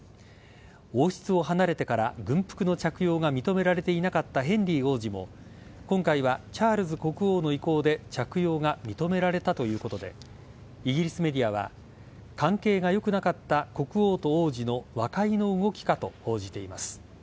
王室を離れてから軍服の着用が認められていなかったヘンリー王子も今回はチャールズ国王の意向で着用が認められたということでイギリスメディアは関係が良くなかった国王と王子の和解の動きかと報じています。